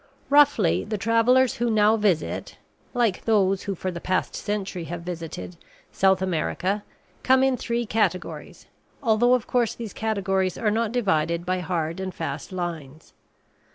Roughly, the travellers who now visit (like those who for the past century have visited) South America come in three categories although, of course, these categories are not divided by hard and fast lines.